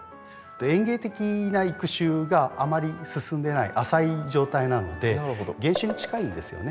園芸的な育種があまり進んでない浅い状態なので原種に近いんですよね。